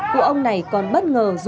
cụ ông này còn bất ngờ là không có thể xử lý